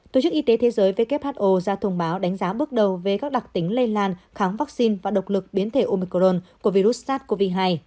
tổ chức y tế thế giới who ra thông báo đánh giá bước đầu về các đặc tính lây lan kháng vaccine và độc lực biến thể omicron của virus sars cov hai